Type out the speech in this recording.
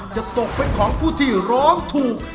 จะตกเป็นของผู้ที่ร้องถูก